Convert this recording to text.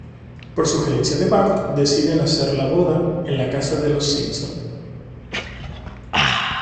Por sugerencia de Bart, deciden hacer la boda en la casa de los Simpson.